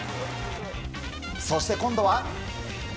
そして、今度は。